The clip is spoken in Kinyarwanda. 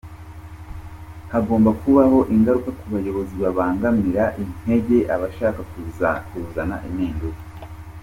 Ati “Hagomba kubaho ingaruka ku bayobozi babangamira, bakanaca intege intege abashaka kuzana impinduka”.